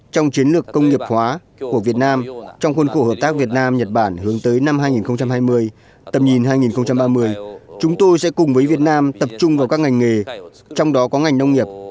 trong chiến lược công nghiệp hóa của việt nam trong khuôn khổ hợp tác việt nam nhật bản hướng tới năm hai nghìn hai mươi tầm nhìn hai nghìn ba mươi chúng tôi sẽ cùng với việt nam tập trung vào các ngành nghề trong đó có ngành nông nghiệp